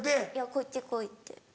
「こっち来い」って。